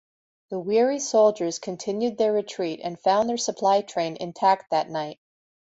The weary soldiers continued their retreat and found their supply train intact that night.